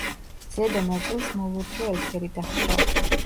ზედა ნაწილს მოლურჯო ელფერი დაჰკრავს.